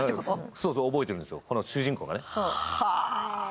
そうそう覚えているんです、主人公がね。